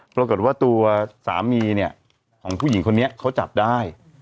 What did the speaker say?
ปรากฏว่าตัวสามีเนี่ยของผู้หญิงคนนี้เขาจับได้